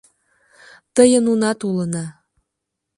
Тыйын унат улына.